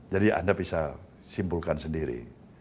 jadi anda bisa simpulkan sendiri